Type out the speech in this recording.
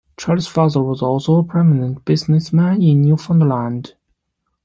Charles' father was also a prominent businessman in Newfoundland.